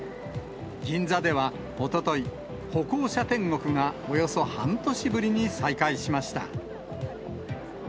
銀座ではおととい、歩行者天国がおよそ半年ぶりに再開しました。